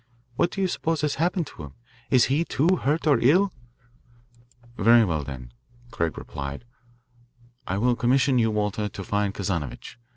What do you suppose has happened to him? Is he, too, hurt or ill?" "Very well, then," Craig replied. " I will commission you, Walter, to find Kazanovitch.